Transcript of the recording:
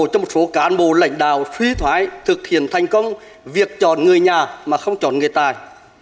cho một số cán bộ lãnh đạo suy thoái thực hiện thành công việc chọn người nhà mà không chọn người tài